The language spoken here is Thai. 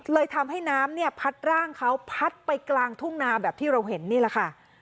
ทำให้น้ำเนี่ยพัดร่างเขาพัดไปกลางทุ่งนาแบบที่เราเห็นนี่แหละค่ะ